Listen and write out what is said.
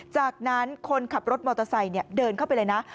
จากนั้นคนขับรถมอเตอร์ไซค์เดินเข้าไปเลยนะ